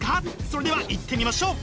それではいってみましょう！